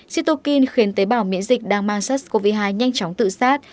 sitokin khiến tế bào miễn dịch đang mang sars cov hai nhanh chóng tự sát